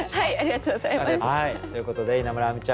ということで稲村亜美ちゃん